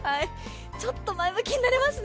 ちょっと前向きになれますね。